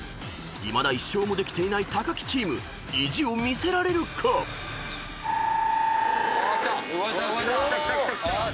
［いまだ１勝もできていない木チーム意地を見せられるか⁉］きた！